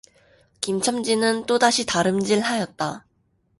김첨지는 또다시 달음질하였다.